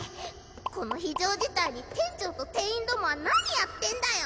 この非常事態に店長と店員どもは何やってんだよ！